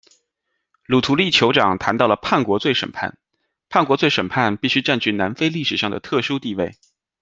卢图利酋长谈到了叛国罪审判：叛国罪审判必须占据南非历史上的特殊地位。